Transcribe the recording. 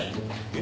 え？